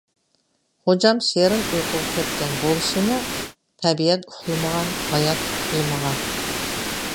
غوجام شېرىن ئۇيقۇغا كەتكەن بولسىمۇ... تەبىئەت ئۇخلىمىغان، ھايات ئۇخلىمىغان،